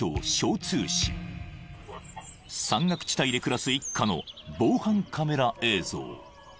［山岳地帯で暮らす一家の防犯カメラ映像］